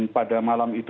pada malam itu